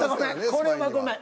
これはごめん。